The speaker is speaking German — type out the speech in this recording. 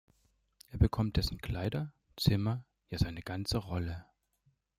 Er bekommt dessen Kleider, Zimmer, ja seine ganze Rolle.